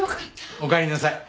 おかえりなさい。